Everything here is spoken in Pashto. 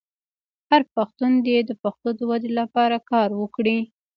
هر پښتون دې د پښتو د ودې لپاره کار وکړي.